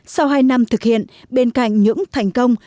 sau hai năm thực hiện bên cạnh những thành công